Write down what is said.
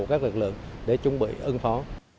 bộ các lực lượng để chuẩn bị ưng phó